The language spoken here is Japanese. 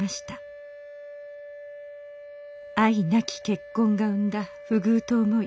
愛なき結婚が生んだ不遇と思い